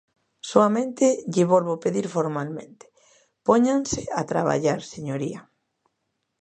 Soamente lle volvo pedir formalmente: póñanse a traballar, señoría.